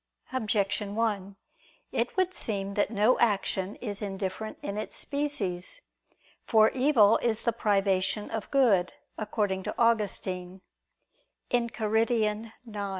Objection 1: It would seem that no action is indifferent in its species. For evil is the privation of good, according to Augustine (Enchiridion xi).